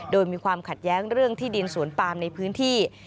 โดยมีความขัดแย้งเรื่องที่ดินสวนปามในพื้นที่